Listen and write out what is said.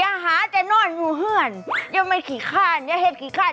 อย่าหาจะนอนหนูเฮื่อนยังไม่ขี้ข้านยังเห็นขี้ข้าน